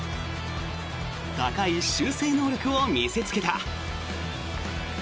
高い修正能力を見せつけた。